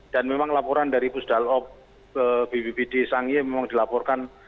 dan memang laporan dari pusdal bbb di sangye memang dilaporkan